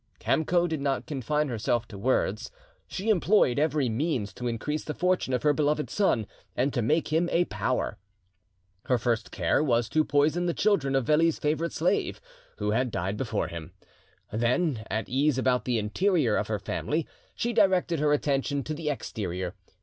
Kamco did not confine herself to words; she employed every means to increase the fortune of her beloved son and to make him a power. Her first care was to poison the children of Veli's favourite slave, who had died before him. Then, at ease about the interior of her family, she directed her attention to the exterior.